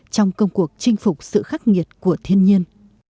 trong công cuộc chinh phục sự khắc nghiệt của thiên nhiên